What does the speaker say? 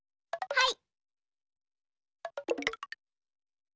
はい。